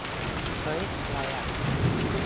เฮ้ย ไรอะ